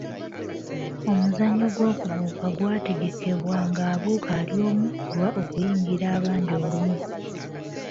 Omuzannyo gw'okubuuka gwategekebwa ng’abuuka ali omu oba okuyingira abangi olumu.